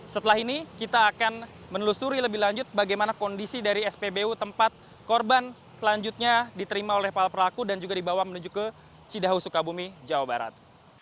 setelah ini kita akan menelusuri lebih lanjut bagaimana kondisi dari spbu tempat korban selanjutnya diterima oleh para pelaku dan juga dibawa menuju ke cidahusukabumi jawa barat